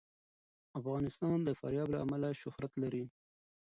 افغانستان د فاریاب له امله شهرت لري.